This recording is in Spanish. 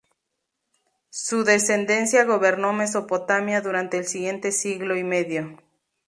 Su descendencia gobernó Mesopotamia durante el siguiente siglo y medio.